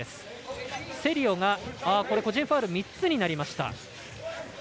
セリオが個人ファウル３つになりました。